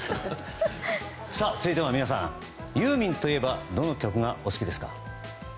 続いては皆さん、ユーミンといえばどの曲がお好きですか？